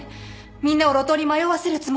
みんなを路頭に迷わせるつもり？